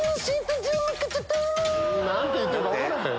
何て言うてるか分からへん。